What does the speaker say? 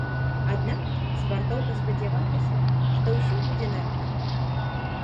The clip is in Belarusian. Аднак спартоўка спадзявалася, што ўсё будзе нармальна.